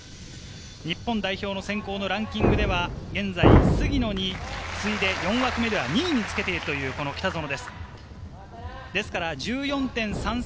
日本代表選考のランキングでは現在、杉野に次いで４枠目では２位につけている北園です。１４．３３３。